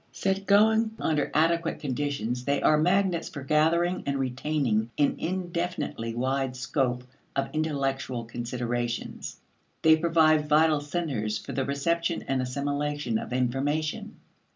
Set going under adequate conditions they are magnets for gathering and retaining an indefinitely wide scope of intellectual considerations. They provide vital centers for the reception and assimilation of information.